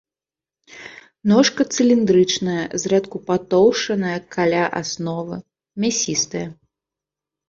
Ножка цыліндрычная, зрэдку патоўшчаная каля асновы, мясістая.